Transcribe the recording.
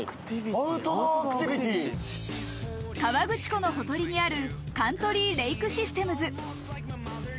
河口湖のほとりにあるカントリーレイクシステムズ。